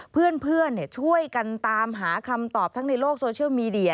เพื่อนช่วยกันตามหาคำตอบทั้งในโลกโซเชียลมีเดีย